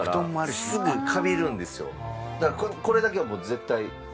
だからこれだけはもう絶対。